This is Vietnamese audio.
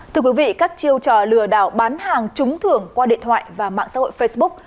thưa quý vị các chiêu trò lừa đảo bán hàng trúng thưởng qua điện thoại và mạng xã hội facebook